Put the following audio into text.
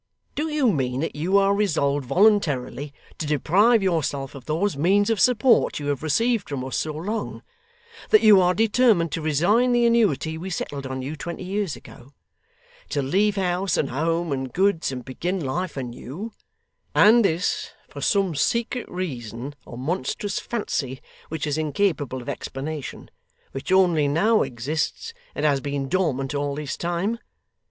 Do you mean that you are resolved voluntarily to deprive yourself of those means of support you have received from us so long that you are determined to resign the annuity we settled on you twenty years ago to leave house, and home, and goods, and begin life anew and this, for some secret reason or monstrous fancy which is incapable of explanation, which only now exists, and has been dormant all this time?